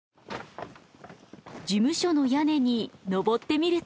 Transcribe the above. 事務所の屋根に上ってみると。